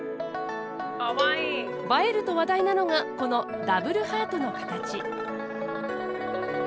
映えると話題なのがこのダブルハートの形。